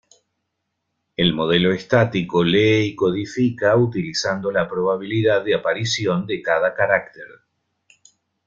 El modelo estático lee y codifica utilizando la probabilidad de aparición de cada carácter.